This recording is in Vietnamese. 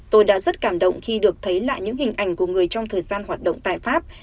tôi đã rất cảm động khi được thấy lại những hình ảnh của người trong thời gian hoạt động tại pháp